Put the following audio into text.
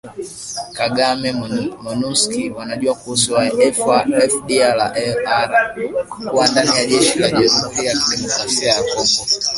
Kagame: Monusco wanajua kuhusu waasi wa FDLR kuwa ndani ya jeshi la Jamuhuri ya Kidemokrasia ya Kongo